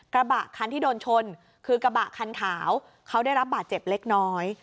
กระบะคันที่โดนชนคือกระบะคันขาวเขาได้รับบาดเจ็บเล็กน้อย